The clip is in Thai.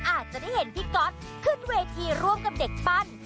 อาจจะได้เห็นพี่ก๊อตขึ้นเวทีร่วมกับเด็กปั้น